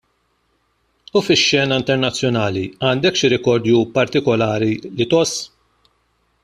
U fix-xena internazzjonali għandek xi rikordju partikolari li tgħożż?